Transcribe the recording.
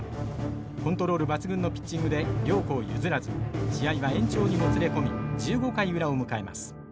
コントロール抜群のピッチングで両校譲らず試合は延長にもつれ込み１５回裏を迎えます。